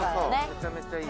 めちゃめちゃいい。